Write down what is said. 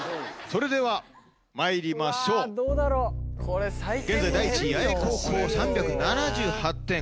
それではまいりましょう現在第１位弥栄高校の３７８点